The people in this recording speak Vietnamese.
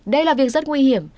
đây là việc rất nguy hiểm